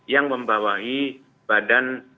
yang membawahi badan politik